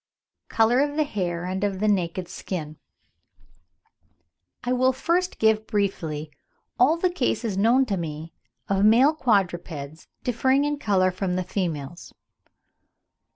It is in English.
COLOUR OF THE HAIR AND OF THE NAKED SKIN. I will first give briefly all the cases known to me of male quadrupeds differing in colour from the females.